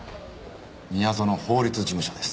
宮園法律事務所です。